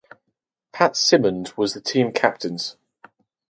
Pat Simonds was the team captains.